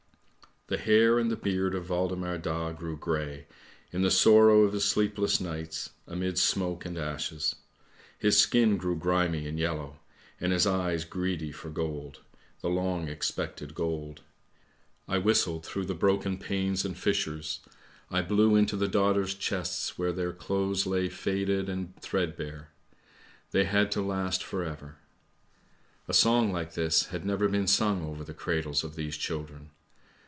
" The hair and the beard of Waldemar Daa grew grey, in the sorrow of his sleepless nights, amid smoke and ashes. His skin grew grimy and yellow, and his eyes greedy for gold, the long expected gold. " I whistled through the broken panes and fissures, I blew THE WIND'S TALE 181 into the daughters' chests where their clothes lay faded and threadbare; they had to last for ever. A song like this had never been sung over the cradles of these children.